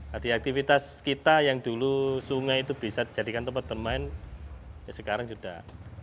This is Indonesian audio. jadi aktivitas kita yang dulu sungai itu bisa dijadikan tempat bermain sekarang sudah